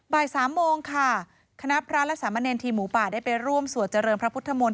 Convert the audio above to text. บ่ายสามโมงค่ะคณะพระและสามเณรทีมหมูป่าได้ไปร่วมสวดเจริญพระพุทธมนต